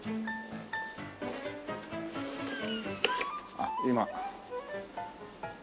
あっ今。